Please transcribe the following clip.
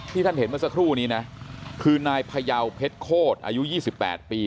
ท่านเห็นเมื่อสักครู่นี้นะคือนายพยาวเพชรโคตรอายุ๒๘ปี